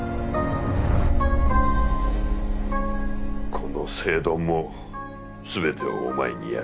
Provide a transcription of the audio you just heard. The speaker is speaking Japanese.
この聖丼も全てをお前にやる。